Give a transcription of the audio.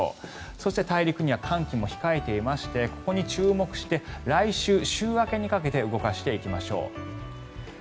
そして大陸には寒気も控えていましてここに注目して来週、週明けにかけて動かしていきましょう。